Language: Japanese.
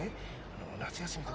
あの夏休みとか。